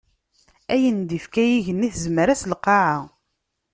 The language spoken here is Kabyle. Ayen d-ifka igenni, tezmer-as lqaɛa.